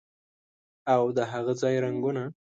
او د هاغه ځای رنګونه